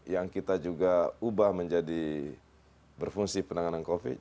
yang kita juga ubah menjadi berfungsi penanganan covid